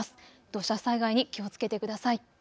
土砂災害に気をつけてください。